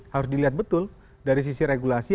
harus dilihat betul dari sisi regulasi